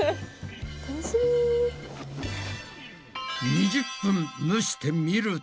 ２０分蒸してみると。